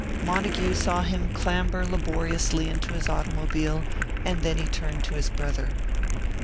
Montague saw him clamber laboriously into his automobile, and then he turned to his brother.